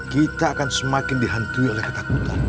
kita akan semakin dihantui oleh ketakutan